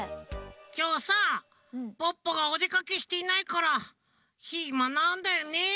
きょうさポッポがおでかけしていないからひまなんだよね。